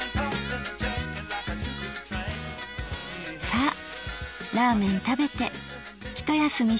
さあラーメン食べてひと休みしましょうか。